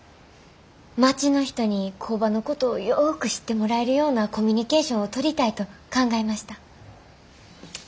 町の人に工場のことをよく知ってもらえるようなコミュニケーションを取りたいと考えました。